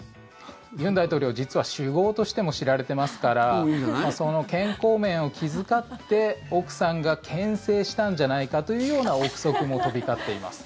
尹大統領、実は酒豪としても知られていますからその健康面を気遣って奥さんがけん制したんじゃないかというような臆測も飛び交っています。